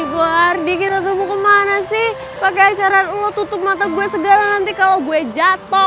bu ardi kita tunggu kemana sih pakai acara oh tutup mata gue sedalam nanti kalau gue jatuh